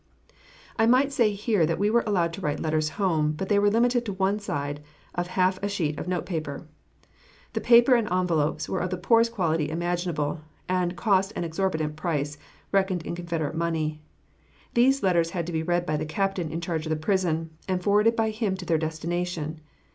I might say here that we were allowed to write letters home, but they were limited to one side of a half sheet of note paper. The paper and envelopes were of the poorest quality imaginable, and cost an exorbitant price, reckoned in Confederate money. These letters had to be read by the captain in charge of the prison, and forwarded by him to their destination.